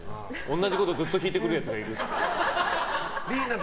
同じことずっと聞いてくるやつがいるって。